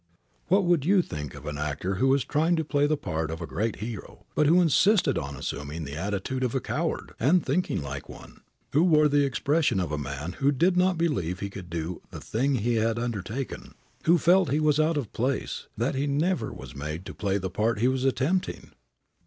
What would you think of an actor who was trying to play the part of a great hero, but who insisted on assuming the attitude of a coward, and thinking like one; who wore the expression of a man who did not believe he could do the thing he had undertaken, who felt that he was out of place, that he never was made to play the part he was attempting?